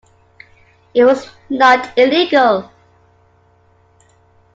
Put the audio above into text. It was not illegal.